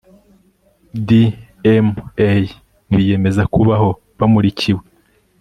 DMA biyemeza kubaho bamurikiwe